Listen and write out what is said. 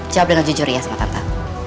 jawab dengan jujur ya sama tante